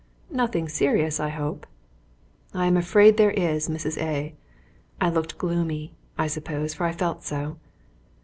"Nothing serious, I hope?" "I am afraid there is, Mrs. A " I looked gloomy, I suppose, for I felt so.